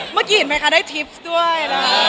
เมื่อกี้เห็นไหมคะได้ทริปสด้วย